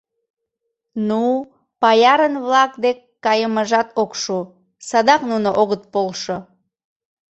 — Ну-у, паярын-влак дек кайымыжат ок шу, садак нуно огыт полшо.